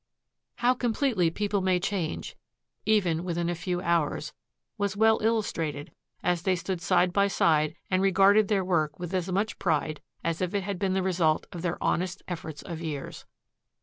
How completely people may change, even within a few hours, was well illustrated as they stood side by side and regarded their work with as much pride as if it had been the result of their honest efforts of years.